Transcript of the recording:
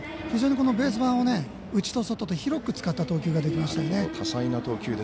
非常にベース板を内と外と広く使った投球ができましたよね。